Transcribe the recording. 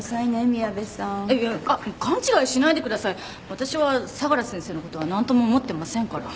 私は相良先生の事はなんとも思ってませんから。